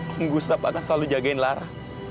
om gustaf akan selalu jagain lara